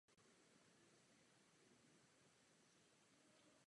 Členství ve Sdružení je dobrovolné.